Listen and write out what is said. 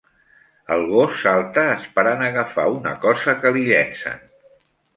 El gos salta esperant agafar una cosa que li llencen.